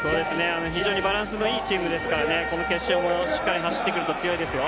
非常にバランスのいいチームですからね、この決勝もしっかり走ってくると強いですよ。